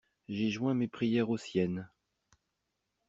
J'ai joint mes prières aux siennes.